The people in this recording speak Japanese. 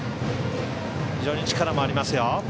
非常に力もありますよ。